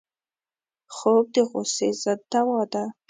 خوب د غصې ضد دوا ده